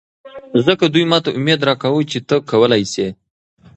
ځکه دوي ماته اميد راکوه چې ته کولې شې.